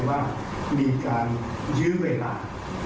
ว่ามีการยื้อเวลา